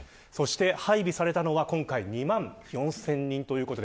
配備されたのが、今回２万４０００人です。